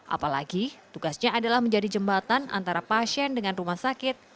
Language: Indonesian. apalagi tugasnya adalah menjadi jembatan antara pasien dengan rumah sakit